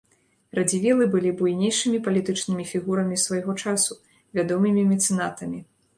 Радзівілы былі буйнейшымі палітычнымі фігурамі свайго часу, вядомымі мецэнатамі.